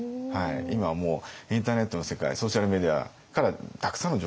今はもうインターネットの世界ソーシャルメディアからたくさんの情報が集まりますので。